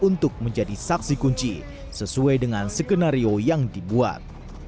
untuk menjadi saksi kunci sesuai dengan skenario yang dibuat